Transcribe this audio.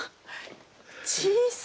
小さい。